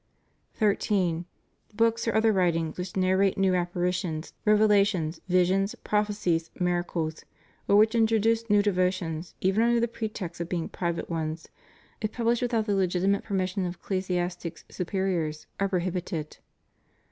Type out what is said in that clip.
13. Books or other writings which narrate new appari tions, revelations, visions, prophecies, miracles, or which introduce new devotions, even under the pretext of being private ones, if published \\dthout the legitimate per mission of ecclesiastica superiors, are prohibited.